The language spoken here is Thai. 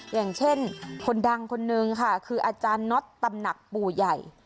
อย่างเช่นคนดังคนนึงค่ะคืออาจารย์น็อตตำหนักปู่ใหญ่